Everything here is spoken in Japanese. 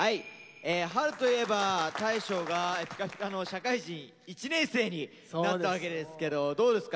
春といえば大昇がピカピカの社会人１年生になったわけですけどどうですか？